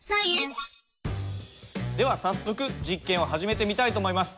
では早速実験を始めてみたいと思います。